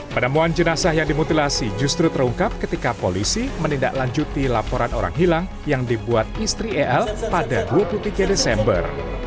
penemuan jenazah yang dimutilasi justru terungkap ketika polisi menindaklanjuti laporan orang hilang yang dibuat istri el pada dua puluh tiga desember